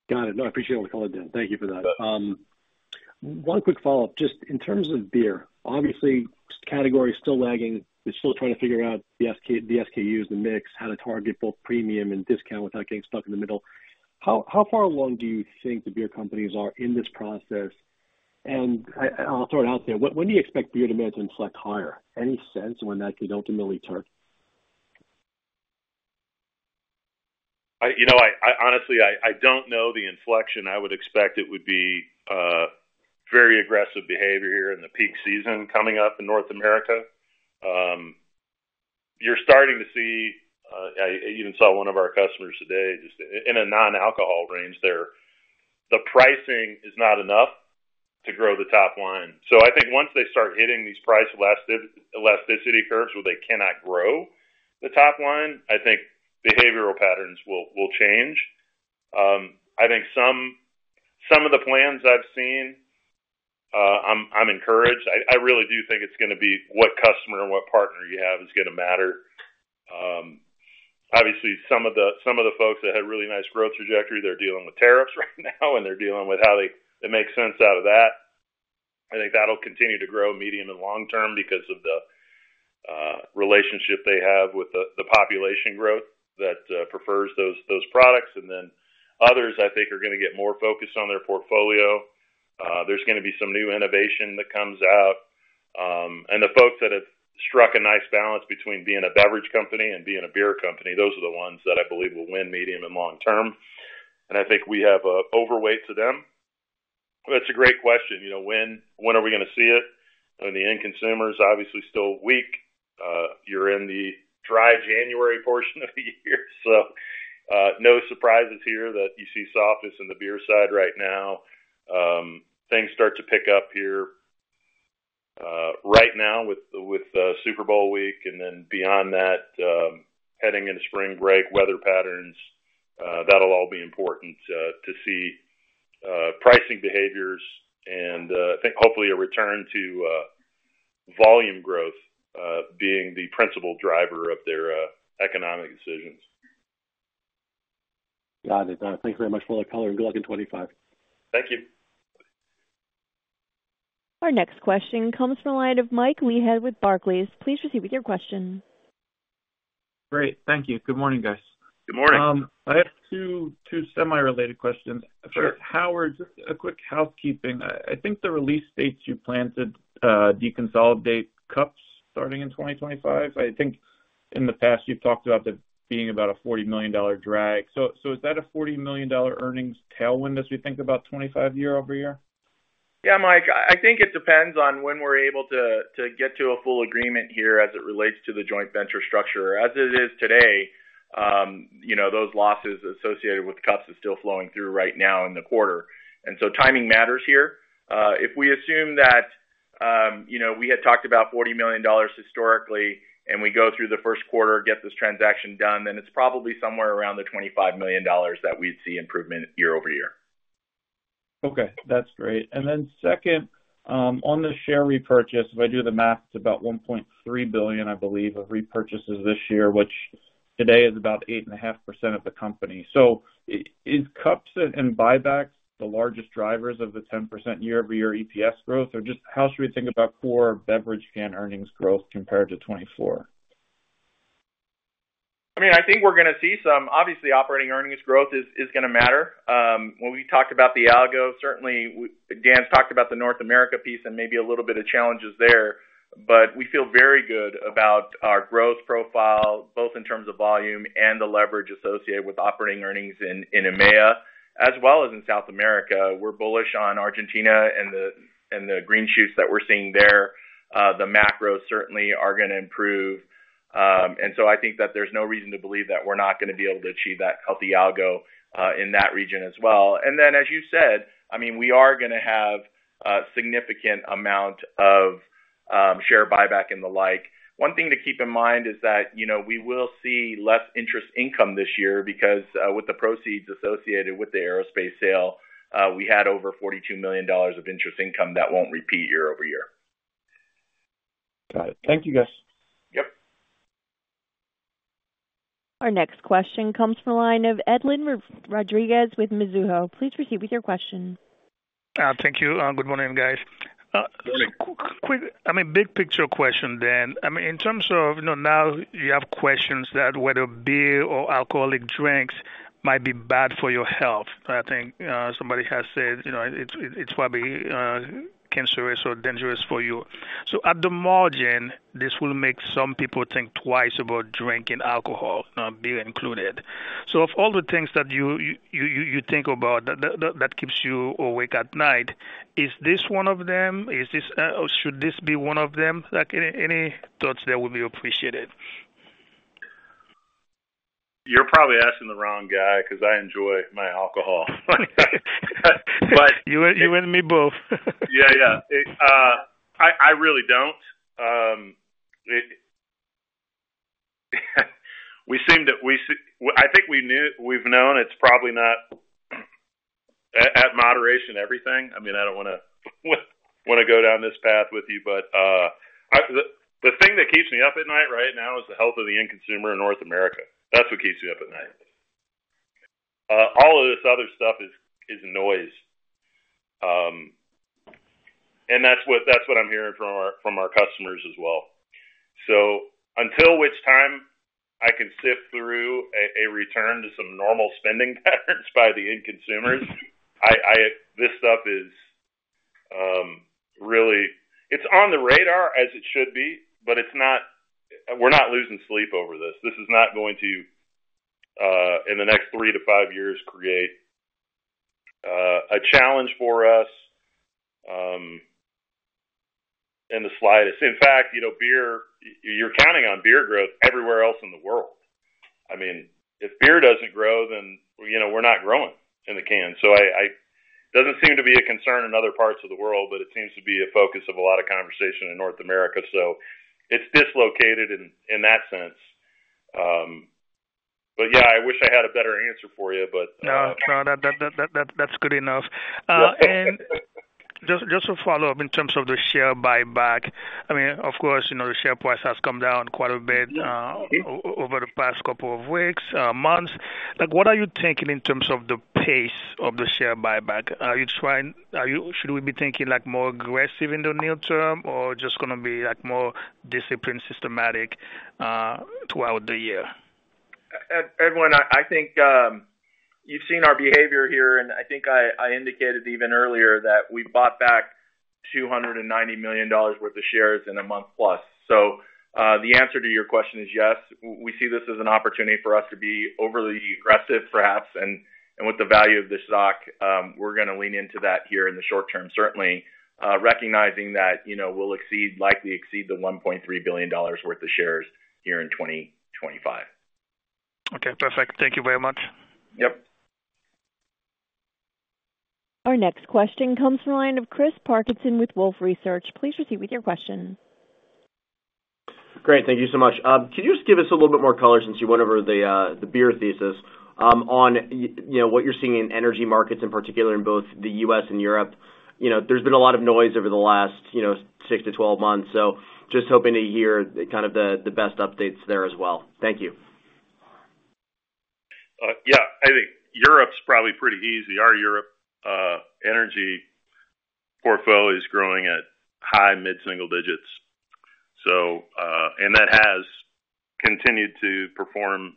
Got it. No, I appreciate all the color, Dan. Thank you for that. One quick follow-up. Just in terms of beer, obviously, category is still lagging. They're still trying to figure out the SKUs, the mix, how to target both premium and discount without getting stuck in the middle. How far along do you think the beer companies are in this process? And I'll throw it out there. When do you expect beer demand to inflect higher? Any sense on when that could ultimately turn? Honestly, I don't know the inflection. I would expect it would be very aggressive behavior here in the peak season coming up in North America. You're starting to see. I even saw one of our customers today, just in a non-alcohol range there. The pricing is not enough to grow the top line. So I think once they start hitting these price elasticity curves where they cannot grow the top line, I think behavioral patterns will change. I think some of the plans I've seen. I'm encouraged. I really do think it's going to be what customer and what partner you have is going to matter. Obviously, some of the folks that had really nice growth trajectory, they're dealing with tariffs right now, and they're dealing with how they make sense out of that. I think that'll continue to grow medium and long term because of the relationship they have with the population growth that prefers those products. And then others, I think, are going to get more focused on their portfolio. There's going to be some new innovation that comes out. And the folks that have struck a nice balance between being a beverage company and being a beer company, those are the ones that I believe will win medium and long term. And I think we have an overweight to them. That's a great question. When are we going to see it? I mean, the end consumer is obviously still weak. You're in the Dry January portion of the year. So no surprises here that you see softness in the beer side right now. Things start to pick up here right now with Super Bowl week. Beyond that, heading into spring break, weather patterns, that'll all be important to see pricing behaviors and hopefully a return to volume growth being the principal driver of their economic decisions. Got it. Thanks very much for the color. Good luck in 2025. Thank you. Our next question comes from the line of Mike Leithead with Barclays. Please proceed with your question. Great. Thank you. Good morning, guys. Good morning. I have two semi-related questions. Sure. Howard, just a quick housekeeping. I think the press release states you plan to deconsolidate Cups starting in 2025. I think in the past, you've talked about there being about a $40 million drag. So is that a $40 million earnings tailwind as we think about 2025 year-over-year? Yeah, Mike, I think it depends on when we're able to get to a full agreement here as it relates to the joint venture structure. As it is today, those losses associated with Cups are still flowing through right now in the quarter, and so timing matters here. If we assume that we had talked about $40 million historically, and we go through the first quarter, get this transaction done, then it's probably somewhere around the $25 million that we'd see improvement year-over-year. Okay. That's great. And then second, on the share repurchase, if I do the math, it's about $1.3 billion, I believe, of repurchases this year, which today is about 8.5% of the company. So is Cups and buybacks the largest drivers of the 10% year-over-year EPS growth? Or just how should we think about core beverage can earnings growth compared to 2024? I mean, I think we're going to see some. Obviously, operating earnings growth is going to matter. When we talked about the algo, certainly, Dan talked about the North America piece and maybe a little bit of challenges there. But we feel very good about our growth profile, both in terms of volume and the leverage associated with operating earnings in EMEA, as well as in South America. We're bullish on Argentina and the green shoots that we're seeing there. The macros certainly are going to improve. And so I think that there's no reason to believe that we're not going to be able to achieve that healthy algo in that region as well. And then, as you said, I mean, we are going to have a significant amount of share buyback and the like. One thing to keep in mind is that we will see less interest income this year because with the proceeds associated with the aerospace sale, we had over $42 million of interest income that won't repeat year-over-year. Got it. Thank you, guys. Yep. Our next question comes from the line of Edlain Rodriguez with Mizuho. Please proceed with your question. Thank you. Good morning, guys. I mean, big picture question, Dan. I mean, in terms of now you have questions that whether beer or alcoholic drinks might be bad for your health. I think somebody has said it's probably cancerous or dangerous for you. So at the margin, this will make some people think twice about drinking alcohol, beer included. So of all the things that you think about that keeps you awake at night, is this one of them? Should this be one of them? Any thoughts that would be appreciated? You're probably asking the wrong guy because I enjoy my alcohol, but. You and me both. Yeah, yeah. I really don't. We seem to. I think we've known it's probably not moderating everything. I mean, I don't want to go down this path with you, but the thing that keeps me up at night right now is the health of the end consumer in North America. That's what keeps you up at night. All of this other stuff is noise, and that's what I'm hearing from our customers as well, so until such time I can see a return to some normal spending patterns by the end consumers, this stuff is really, it's on the radar as it should be, but we're not losing sleep over this. This is not going to, in the next three to five years, create a challenge for us in the slightest. In fact, you're counting on beer growth everywhere else in the world. I mean, if beer doesn't grow, then we're not growing in the can. So it doesn't seem to be a concern in other parts of the world, but it seems to be a focus of a lot of conversation in North America. So it's dislocated in that sense. But yeah, I wish I had a better answer for you, but. No, no, that's good enough. And just to follow up in terms of the share buyback, I mean, of course, the share price has come down quite a bit over the past couple of weeks, months. What are you thinking in terms of the pace of the share buyback? Should we be thinking more aggressive in the near term or just going to be more disciplined, systematic throughout the year? Edlain, I think you've seen our behavior here, and I think I indicated even earlier that we bought back $290 million worth of shares in a month plus. So the answer to your question is yes. We see this as an opportunity for us to be overly aggressive, perhaps, and with the value of this stock, we're going to lean into that here in the short term, certainly recognizing that we'll likely exceed the $1.3 billion worth of shares here in 2025. Okay. Perfect. Thank you very much. Yep. Our next question comes from the line of Chris Parkinson with Wolfe Research. Please proceed with your question. Great. Thank you so much. Can you just give us a little bit more color since you went over the beer thesis on what you're seeing in energy markets in particular in both the U.S. and Europe? There's been a lot of noise over the last six to 12 months. So just hoping to hear kind of the best updates there as well. Thank you. Yeah. I think Europe's probably pretty easy. Our Europe energy portfolio is growing at high mid-single digits. And that has continued to perform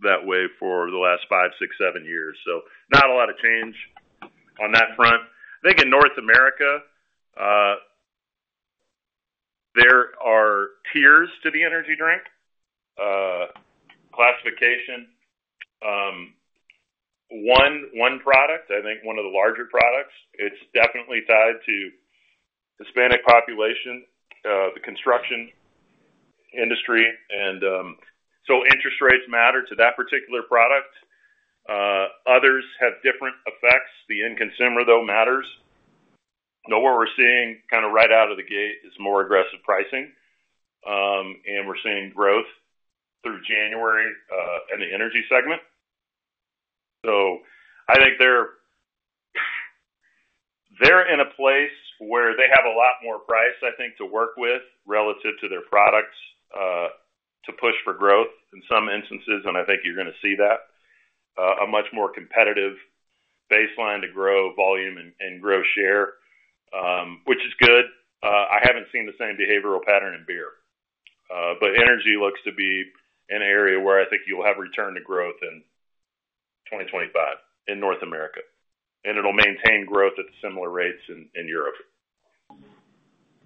that way for the last five, six, seven years. So not a lot of change on that front. I think in North America, there are tiers to the energy drink classification. One product, I think one of the larger products, it's definitely tied to the Hispanic population, the construction industry. And so interest rates matter to that particular product. Others have different effects. The end consumer, though, matters. What we're seeing kind of right out of the gate is more aggressive pricing. And we're seeing growth through January in the energy segment. So I think they're in a place where they have a lot more price, I think, to work with relative to their products to push for growth in some instances. I think you're going to see that. A much more competitive baseline to grow volume and grow share, which is good. I haven't seen the same behavioral pattern in beer. Energy looks to be an area where I think you'll have return to growth in 2025 in North America. It'll maintain growth at similar rates in Europe.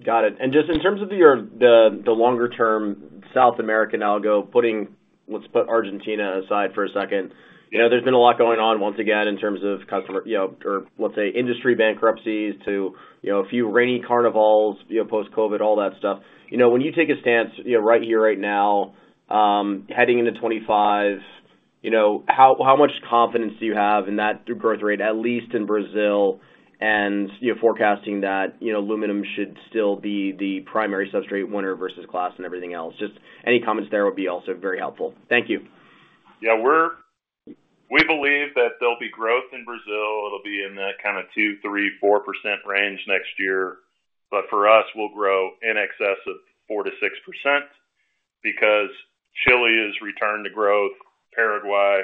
Got it. And just in terms of the longer-term South American outlook, putting, let's put Argentina aside for a second. There's been a lot going on once again in terms of customer or, let's say, industry bankruptcies, too, a few remaining canneries, post-COVID, all that stuff. When you take a stance right here right now, heading into 2025, how much confidence do you have in that growth rate, at least in Brazil, and forecasting that aluminum should still be the primary substrate winner versus glass and everything else? Just any comments there would be also very helpful. Thank you. Yeah. We believe that there'll be growth in Brazil. It'll be in that kind of 2%, 3%, 4% range next year. But for us, we'll grow in excess of 4%-6% because Chile is returning to growth. Paraguay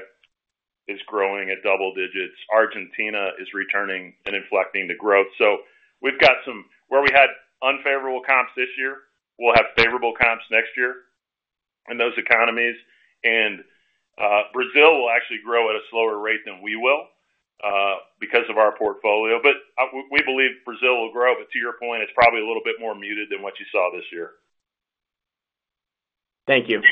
is growing at double digits. Argentina is returning and inflecting the growth. So we've got some, where we had unfavorable comps this year, we'll have favorable comps next year in those economies. And Brazil will actually grow at a slower rate than we will because of our portfolio. But we believe Brazil will grow. But to your point, it's probably a little bit more muted than what you saw this year. Thank you.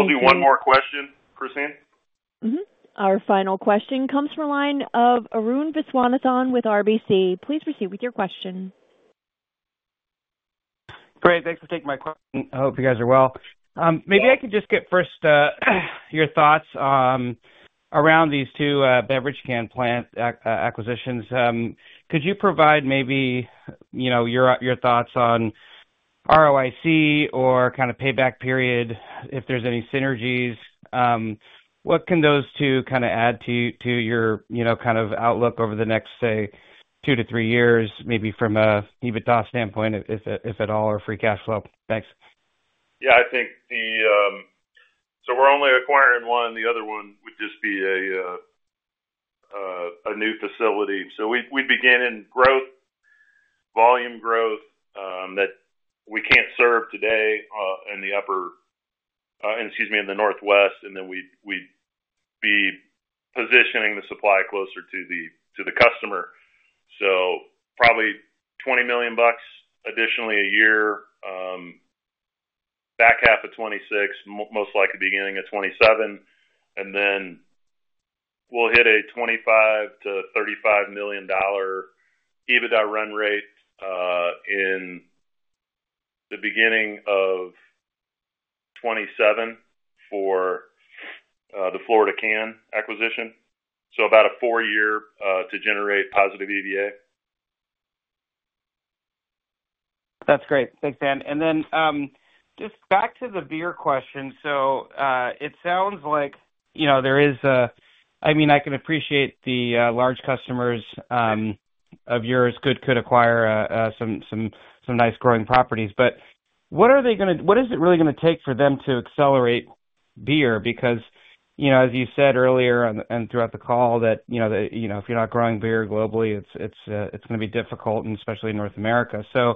You bet. We'll do one more question, Christine? Our final question comes from the line of Arun Viswanathan with RBC. Please proceed with your question. Great. Thanks for taking my question. I hope you guys are well. Maybe I can just get first your thoughts around these two-beverage can plant acquisitions. Could you provide maybe your thoughts on ROIC or kind of payback period, if there's any synergies? What can those two kind of add to your kind of outlook over the next, say, two to three years, maybe from an EBITDA standpoint, if at all, or free cash flow? Thanks. Yeah. I think the—so we're only acquiring one. The other one would just be a new facility. So we'd begin in growth, volume growth that we can't serve today in the upper, excuse me, in the Northwest. And then we'd be positioning the supply closer to the customer. So probably $20 million additionally a year, back half of 2026, most likely beginning of 2027. And then we'll hit a $25 million-$35 million EBITDA run rate in the beginning of 2027 for the Florida Can acquisition. So about a four-year to generate positive EVA. That's great. Thanks, Dan. And then just back to the beer question. So it sounds like, I can appreciate the large customers of yours could acquire some nice growing properties. But what is it really going to take for them to accelerate beer? Because, as you said earlier and throughout the call, that if you're not growing beer globally, it's going to be difficult, and especially in North America. So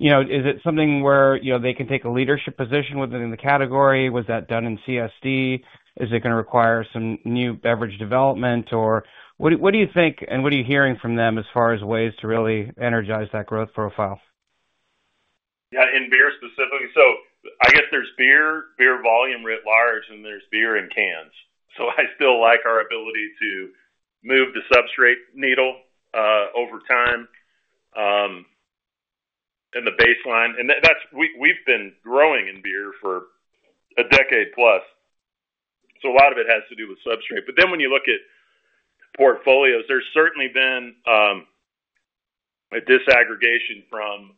is it something where they can take a leadership position within the category? Was that done in CSD? Is it going to require some new beverage development? Or what do you think, and what are you hearing from them as far as ways to really energize that growth profile? Yeah. In beer specifically, so I guess there's beer, beer volume writ large, and there's beer in cans. So I still like our ability to move the substrate needle over time in the baseline. And we've been growing in beer for a decade plus. So a lot of it has to do with substrate. But then when you look at portfolios, there's certainly been a disaggregation from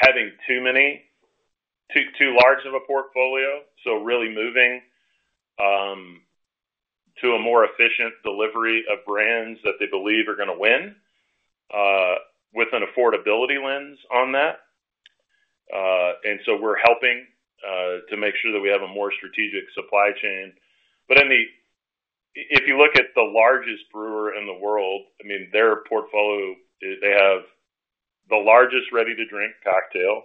having too large of a portfolio. So really moving to a more efficient delivery of brands that they believe are going to win with an affordability lens on that. And so we're helping to make sure that we have a more strategic supply chain. But if you look at the largest brewer in the world, I mean, their portfolio, they have the largest ready-to-drink cocktail.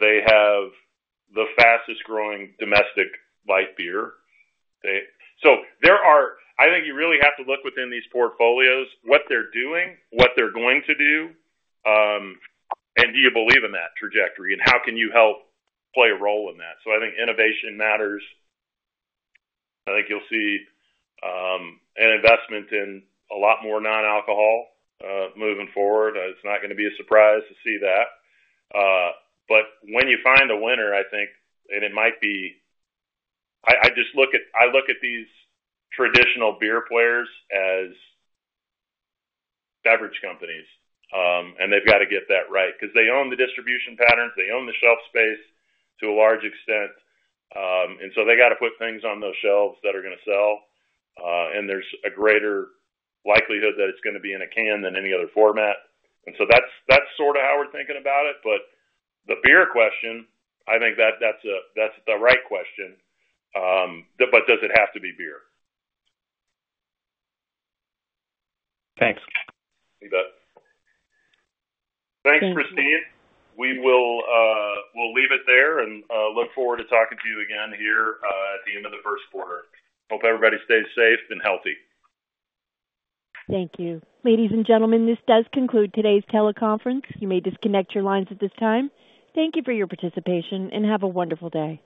They have the fastest-growing domestic light beer. I think you really have to look within these portfolios, what they're doing, what they're going to do, and do you believe in that trajectory? And how can you help play a role in that? I think innovation matters. I think you'll see an investment in a lot more non-alcohol moving forward. It's not going to be a surprise to see that. But when you find a winner, I think, I just look at these traditional beer players as beverage companies. And they've got to get that right because they own the distribution patterns. They own the shelf space to a large extent. And so they got to put things on those shelves that are going to sell. And there's a greater likelihood that it's going to be in a can than any other format. And so that's sort of how we're thinking about it. But the beer question, I think that's the right question. But does it have to be beer? Thanks. You bet. Thanks, Christine. We'll leave it there and look forward to talking to you again here at the end of the first quarter. Hope everybody stays safe and healthy. Thank you. Ladies and gentlemen, this does conclude today's teleconference. You may disconnect your lines at this time. Thank you for your participation and have a wonderful day.